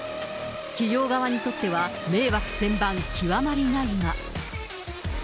企業側にとっては迷惑千万極まりないが。